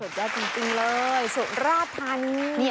สุดยอดจริงเลยสุดรอบพันธุ์